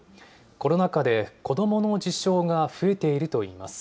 コロナ禍で子どもの自傷が増えているといいます。